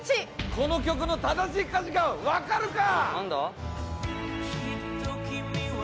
この曲の正しい歌詞がわかるか？